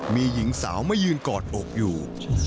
มีหญิงสาวมายืนกอดอกอยู่